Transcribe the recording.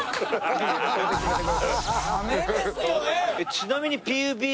ちなみに。